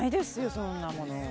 そんなもの。